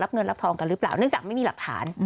เงินรับทองกันหรือเปล่าเนื่องจากไม่มีหลักฐาน